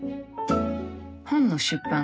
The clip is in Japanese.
本の出版